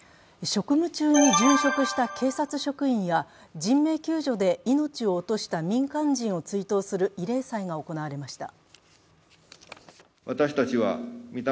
職務中に殉職した警察職員や人命救助で命を落とした民間人を追悼する慰霊祭が行われました。